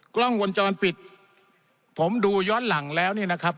กล้องวงจรปิดผมดูย้อนหลังแล้วเนี่ยนะครับ